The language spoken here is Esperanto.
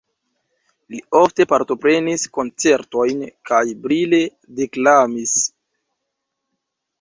Li ofte partoprenis koncertojn kaj brile deklamis.